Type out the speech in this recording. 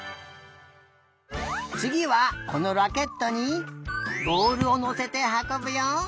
つぎはこのラケットにぼおるをのせてはこぶよ！